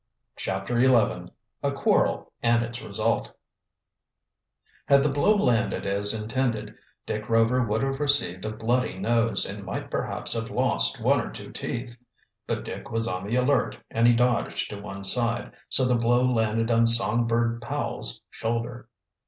CHAPTER XI A QUARREL AND ITS RESULT Had the blow landed as intended Dick Rover would have received a bloody nose and might perhaps have lost one or two teeth. But Dick was on the alert and he dodged to one side, so the blow landed on Songbird Powell's shoulder.